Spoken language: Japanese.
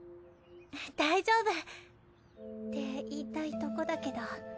大丈夫！って言いたいとこだけど。